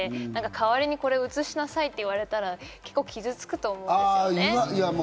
代わりにこれを移しなさいって言われたら結構傷つくと思うんです。